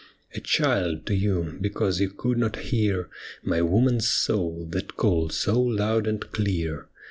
A child to you, because you could not hear My woman's soul that called so loud and clear.